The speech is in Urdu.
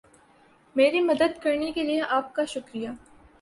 میری مدد کرنے کے لئے آپ کا شکریہ